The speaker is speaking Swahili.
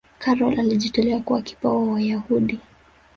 karol alijitolea kuwa kipa wa Wayahudi